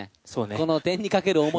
この点にかける思い。